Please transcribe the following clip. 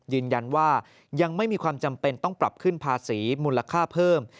ยืนยันว่ายังไม่มีความจำเป็นต้องปรับขึ้นภาษีมูลค่าเพิ่ม